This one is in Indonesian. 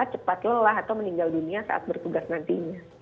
cepat lelah atau meninggal dunia saat bertugas nantinya